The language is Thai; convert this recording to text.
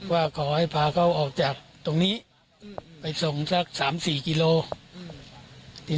ว่าขอให้พาเขาออกจากตรงนี้ไปส่งสัก๓๔กิโลกรัม